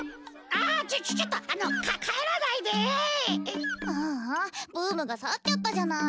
ああブームがさっちゃったじゃない。